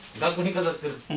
飾ってる。